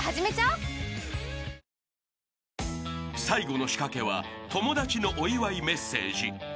［最後の仕掛けは友達のお祝いメッセージ］